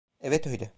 Evet öyle.